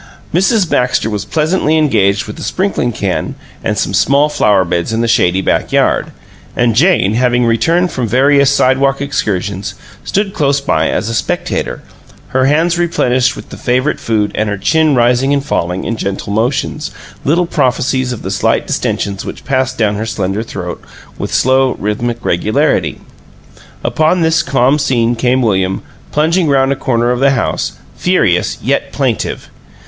Mrs. Baxter was pleasantly engaged with a sprinkling can and some small flower beds in the shady back yard, and Jane, having returned from various sidewalk excursions, stood close by as a spectator, her hands replenished with the favorite food and her chin rising and falling in gentle motions, little prophecies of the slight distensions which passed down her slender throat with slow, rhythmic regularity. Upon this calm scene came William, plunging round a corner of the house, furious yet plaintive.